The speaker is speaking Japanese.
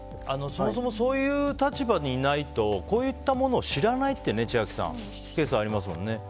そもそもそういう立場にいないとこういったものを知らないっていうケースがありますもんね